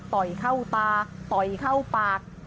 ต่อยเข้าตาต่อยเข้าปาก